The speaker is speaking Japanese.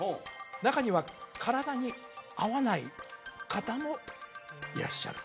中には体に合わない方もいらっしゃる